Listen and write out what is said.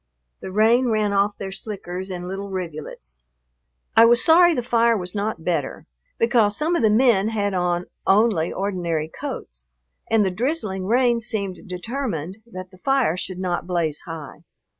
The rain ran off their slickers in little rivulets. I was sorry the fire was not better, because some of the men had on only ordinary coats, and the drizzling rain seemed determined that the fire should not blaze high.